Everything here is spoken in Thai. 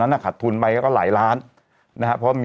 เปิดภาพธุงไปก็หลายล้านนะครับ